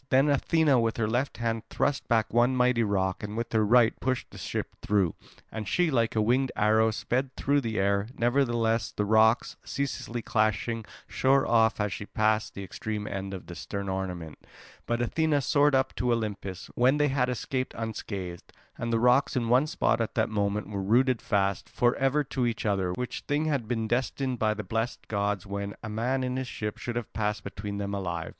Then Athena with her left hand thrust back one mighty rock and with her right pushed the ship through; and she, like a winged arrow, sped through the air. Nevertheless the rocks, ceaselessly clashing, shore off as she passed the extreme end of the stern ornament. But Athena soared up to Olympus, when they had escaped unscathed. And the rocks in one spot at that moment were rooted fast for ever to each other, which thing had been destined by the blessed gods, when a man in his ship should have passed between them alive.